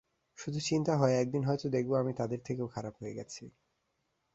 শুধু চিন্তা হয় একদিন হয়ত দেখব আমি তাদের থেকেও খারাপ হয়ে গেছি।